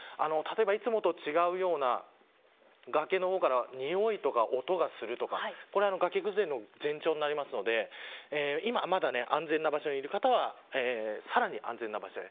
いつもと違うような崖の方からにおいとか音がするとかこれ、崖崩れの前兆になりますので今はまだ安全な場所にいる方はさらに安全な場所へ。